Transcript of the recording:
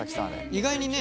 意外にね。